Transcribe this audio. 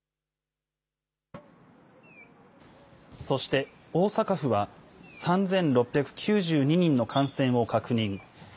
そして、大阪府は３６９２人の感染を確認。